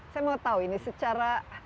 saya mau tahu ini secara